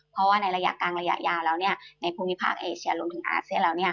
เพราะว่าในระยะกลางระยะยาวแล้วในภูมิภาคเอเชียรวมถึงอาเซียนแล้ว